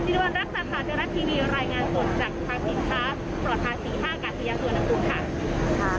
ปลอดภัณฑ์สิทธิ์๕กาศียศวนพุทธภัณฑ์